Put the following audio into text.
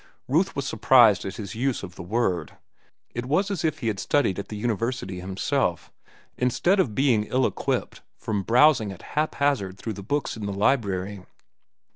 (Ruth was surprised at his use of the word. It was as if he had studied at the university himself, instead of being ill equipped from browsing at haphazard through the books in the library.)